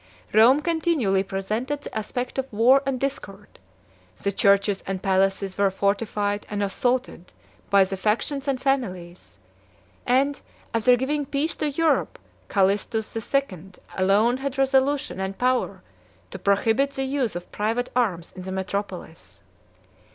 Rome continually presented the aspect of war and discord: the churches and palaces were fortified and assaulted by the factions and families; and, after giving peace to Europe, Calistus the Second alone had resolution and power to prohibit the use of private arms in the metropolis.